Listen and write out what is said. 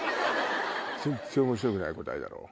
全然面白くない答えだろ。